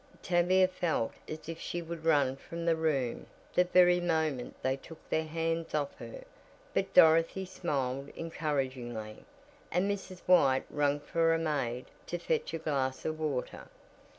Tavia felt as if she would run from the room, the very moment they took their hands off her, but Dorothy smiled encouragingly, and Mrs. White rang for a maid to fetch a glass of water.